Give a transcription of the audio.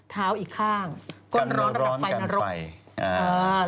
อีกข้างก้นร้อนระดับไฟนรก